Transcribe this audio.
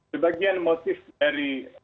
sebagian motif dari